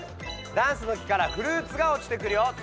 ダンスの木からフルーツがおちてくるよ。